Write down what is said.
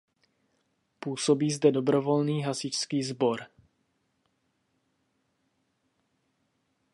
Působí zde dobrovolný hasičský sbor.